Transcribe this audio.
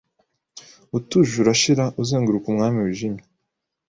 utuje urashira uzenguruka umwami wijimye